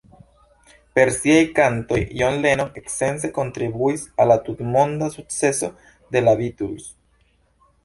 Per siaj kantoj John Lennon esence kontribuis al la tutmonda sukceso de la Beatles.